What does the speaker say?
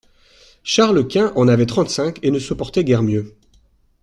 Charles-Quint en avait trente-cinq et ne se portait guère mieux.